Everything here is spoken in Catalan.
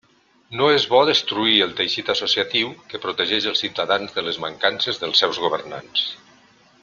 No és bo destruir el teixit associatiu que protegeix els ciutadans de les mancances dels seus governants.